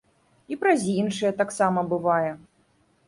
І праз іншыя таксама бывае.